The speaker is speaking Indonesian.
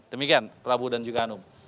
demikian prabu dan juga hanum